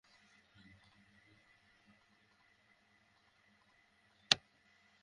তবে নয়টি বইয়ের সংশোধনীর বিষয়ে পরিমার্জন কমিটির সদস্যদের মধ্যে মতবিরোধ দেখা দেয়।